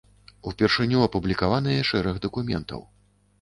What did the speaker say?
Упершыню апублікаваныя шэраг дакументаў.